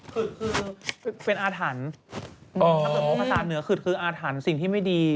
คือเป็นอาถรรพ์ถ้าเกิดว่าภาษาเหนือขึดคืออาถรรพ์สิ่งที่ไม่ดี